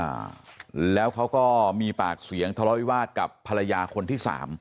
อ่าแล้วเขาก็มีปากเสียงทะเลาวิวาสกับภรรยาคนที่สาม